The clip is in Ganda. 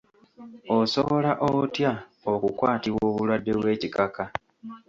Osobola otya okukwatibwa obulwadde bw’ekikaka?